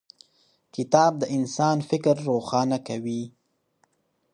کتاب د انسان فکر روښانه کوي.